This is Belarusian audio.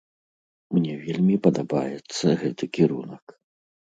Мне вельмі падабаецца гэты кірунак.